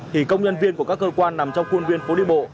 thì công nhân viên của các cơ quan nằm trong khuôn viên phố đi bộ